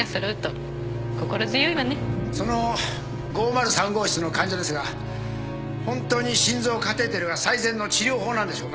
・その５０３号室の患者ですが本当に心臓カテーテルが最善の治療法なんでしょうか？